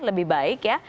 lebih baik ya